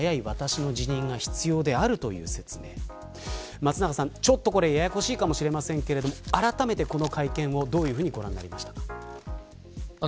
松永さん、ちょっとこれややこしいかもしれませんがあらためてこの会見をどういうふうにご覧になりましたか。